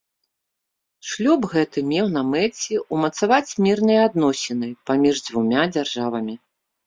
Шлюб гэты меў на мэце ўмацаваць мірныя адносіны паміж дзвюма дзяржавамі.